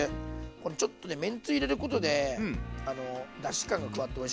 これちょっとねめんつゆ入れることでだし感が加わっておいしくなります。